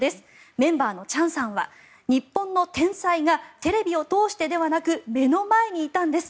メンバーのチャンさんは日本の天才がテレビを通してではなく目の前にいたんです